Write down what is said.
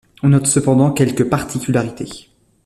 On note cependant quelques particularités.